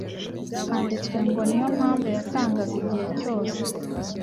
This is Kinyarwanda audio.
"Handitswe ngo" ni yo mpamvu yatangaga igihe cyose